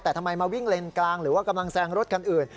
แต่ทำไมมาวิ่งเลนกลางหรือว่ากำลังแซงรถคันอื่น